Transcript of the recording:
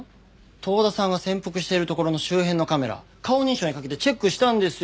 遠田さんが潜伏している所の周辺のカメラ顔認証にかけてチェックしたんですよ